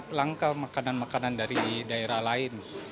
seporsi kepala kakab dijual mulai dari harga enam puluh lima ribu rupiah